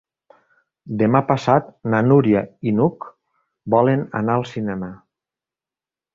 Demà passat na Núria i n'Hug volen anar al cinema.